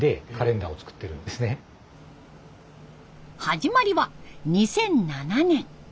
始まりは２００７年。